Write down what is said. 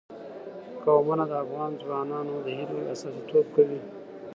قومونه د افغان ځوانانو د هیلو استازیتوب کوي.